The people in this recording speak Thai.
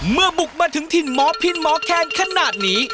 บุกมาถึงถิ่นหมอพินหมอแคนขนาดนี้